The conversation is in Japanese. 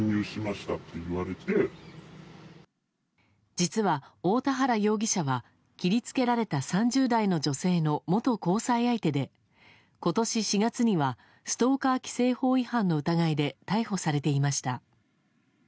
実は、大田原容疑者は切り付けられた３０代の女性の元交際相手で今年４月にはストーカー規制法違反の疑いで逮捕されていました。